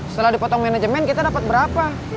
setelah dipotong manajemen kita dapat berapa